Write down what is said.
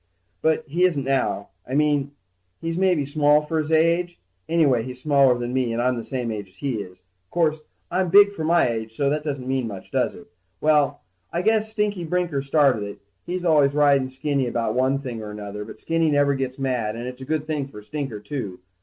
But he isn't now, I mean he's maybe small for his age, anyway he's smaller than me, and I'm the same age as he is. 'Course, I'm big for my age, so that doesn't mean much, does it? Well, I guess Stinker Brinker started it. He's always riding Skinny about one thing or another, but Skinny never gets mad and it's a good thing for Stinker, too.